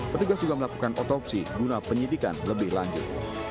petugas juga melakukan otopsi guna penyidikan lebih lanjut